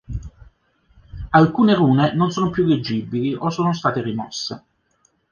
Alcune rune non sono più leggibili o sono state rimosse.